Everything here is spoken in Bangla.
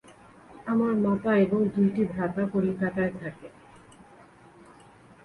আমার মাতা এবং দুইটি ভ্রাতা কলিকাতায় থাকে।